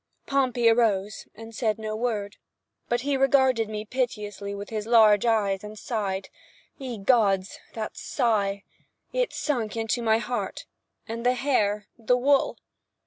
Pompey arose, and said no word. But he regarded me piteously with his large eyes and—sighed. Ye Gods—that sigh! It sunk into my heart. And the hair—the wool!